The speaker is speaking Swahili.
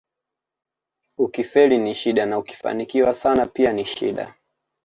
Ukifeli ni shida na ukifanikiwa sana pia ni shida